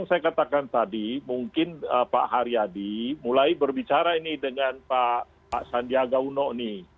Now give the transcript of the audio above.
saya katakan tadi mungkin pak haryadi mulai berbicara ini dengan pak sandiaga uno nih